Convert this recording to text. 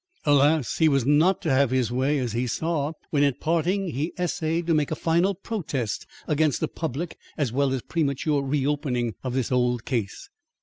Alas! he was not to have his way, as he saw, when at parting he essayed to make a final protest against a public as well as premature reopening of this old case.